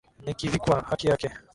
Nikivikwa haki yake.